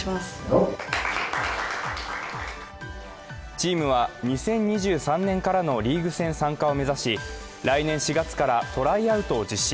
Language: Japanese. チームは２０２３年からのリーグ戦参加を目指し来年４月からトライアウトを実施。